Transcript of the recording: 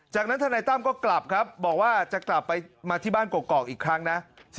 จากนั้นทนายตั้มก็กลับครับบอกว่าจะกลับไปมาที่บ้านกรอกอีกครั้งนะ